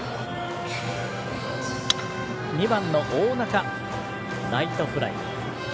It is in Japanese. ２番の大仲、ライトフライ。